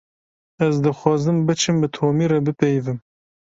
Ez dixwazim biçim bi Tomî re bipeyivim.